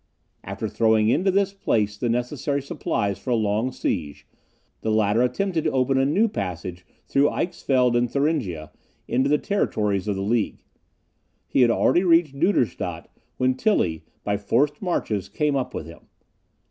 After throwing into this place the necessary supplies for a long siege, the latter attempted to open a new passage through Eichsfeld and Thuringia, into the territories of the League. He had already reached Duderstadt, when Tilly, by forced marches, came up with him.